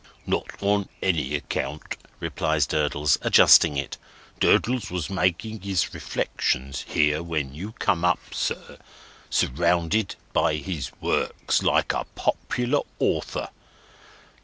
"Not on any account," replies Durdles, adjusting it. "Durdles was making his reflections here when you come up, sir, surrounded by his works, like a poplar Author.